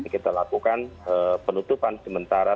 kita lakukan penutupan sementara